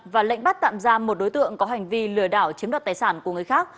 và lệnh bắt tạm giam một đối tượng có hành vi lừa đảo chiếm đoạt tài sản của người khác